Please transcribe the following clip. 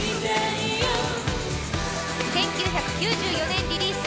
１９９４年リリース。